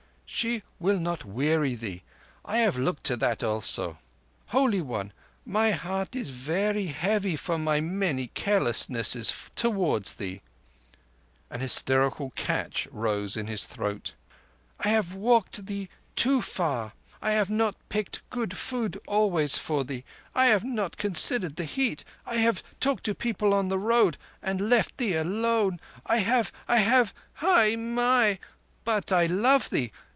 "She will not weary thee. I have looked to that also. Holy One, my heart is very heavy for my many carelessnesses towards thee." An hysterical catch rose in his throat. "I have walked thee too far: I have not picked good food always for thee; I have not considered the heat; I have talked to people on the road and left thee alone ... I have—I have ... Hai mai! But I love thee